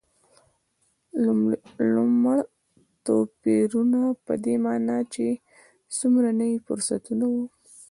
لومړ توپیرونه په دې معنا چې څومره نوي فرصتونه و.